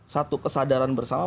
satu kesadaran bersama